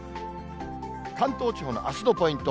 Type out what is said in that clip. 関東地方のあすのポイント。